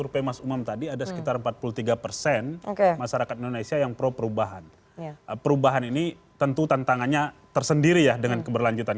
perubahan ini tentu tantangannya tersendiri ya dengan keberlanjutan